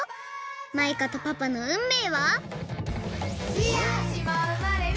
マイカとパパのうんめいは！？